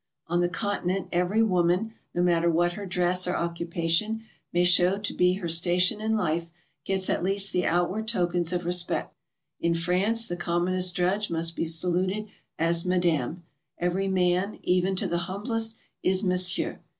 On the Continent every woman, no matter what her dress or occupation may shcww to be her station in 'life, gets at least the outward tokens of respect. In France the commonest drudge must be saluted as "Madame"; every man, even to the humblest, is "Monsieur."